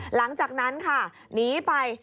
หลังจากนั้นค่ะหนีไป